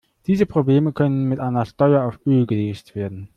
Diese Probleme können mit einer Steuer auf Öl gelöst werden.